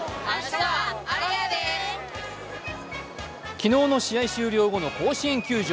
昨日の試合終了後の甲子園球場。